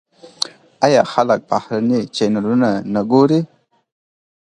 آیا خلک بهرني چینلونه نه ګوري؟